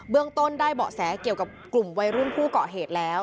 เรื่องต้นได้เบาะแสเกี่ยวกับกลุ่มวัยรุ่นผู้เกาะเหตุแล้ว